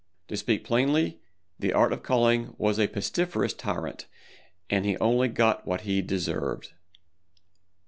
To speak plainly, the Art of Calling was a pestiferous tyrant—and he only got what he deserved.